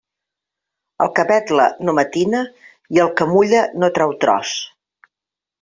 El que vetla no matina i el que mulla no trau tros.